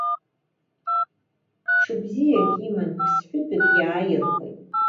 Ҽы бзиак иман, ԥсҳәытәык иааирхәеит.